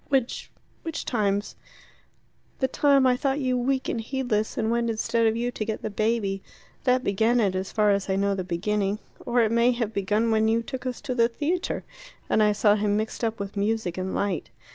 "Which which times?" "The time I thought you weak and heedless, and went instead of you to get the baby. That began it, as far as I know the beginning. Or it may have begun when you took us to the theatre, and I saw him mixed up with music and light.